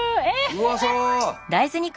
うまそう！